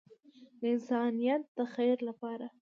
د انسانیت د خیر لپاره.